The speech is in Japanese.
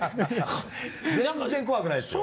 全然怖くないですよ。